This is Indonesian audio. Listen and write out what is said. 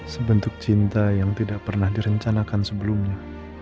sebentuk cinta yang tidak pernah direncanakan sebelumnya